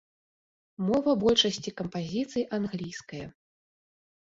Мова большасці кампазіцый англійская.